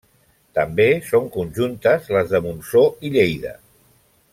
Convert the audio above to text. També són conjuntes les de Montsó i Lleida.